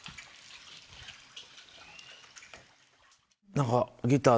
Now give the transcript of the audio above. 何かギター